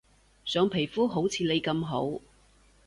想皮膚好似你咁好